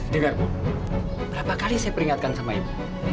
dengar bu berapa kali saya peringatkan sama ibu